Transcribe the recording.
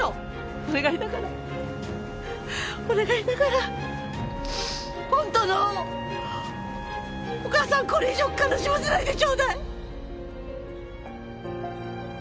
お願いだからお願いだから本当のお母さんこれ以上悲しませないでちょうだい。